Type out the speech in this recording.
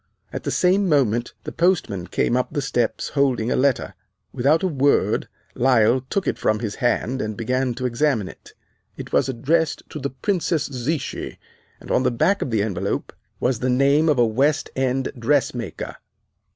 At the same moment the postman came up the steps holding a letter. Without a word Lyle took it from his hand and began to examine it. It was addressed to the Princess Zichy, and on the back of the envelope was the name of a West End dressmaker.